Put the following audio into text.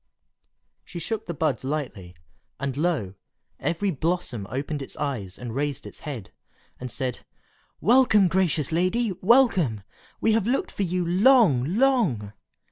She shook the buds lightly, and lo! every blossom opened its eyes and raised its head, and said, "Welcome, gracious lady! welcome! We have looked for you long, long!"